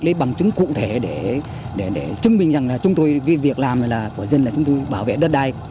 lấy bằng chứng cụ thể để chứng minh rằng là chúng tôi cái việc làm này là của dân là chúng tôi bảo vệ đất đai